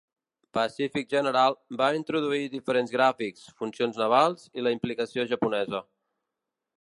"Pacific General" va introduir diferents gràfics, funcions navals i la implicació japonesa.